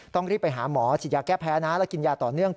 ต้องรีบไปหาหมอฉีดยาแก้แพ้นะและกินยาต่อเนื่อง